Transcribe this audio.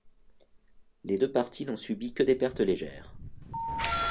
Les deux parties n'ont subi que des pertes légères.